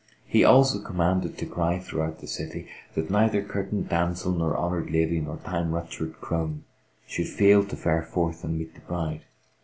He also commanded to cry throughout the city that neither curtained damsel nor honoured lady nor time ruptured crone should fail to fare forth and meet the bride.